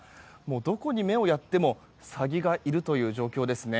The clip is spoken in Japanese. どこに目をやってもサギがいるという状況ですね。